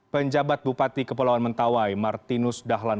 penjabat bupati kepulauan mentawai martinus dahlan